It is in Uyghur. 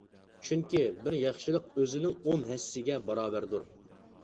چۈنكى، بىر ياخشىلىق ئۆزىنىڭ ئون ھەسسىسىگە باراۋەردۇر.